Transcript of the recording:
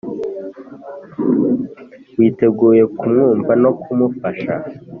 witeguye kumwumva no kumufasha